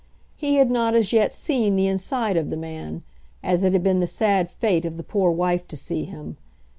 He had not as yet seen the inside of the man, as it had been the sad fate of the poor wife to see him.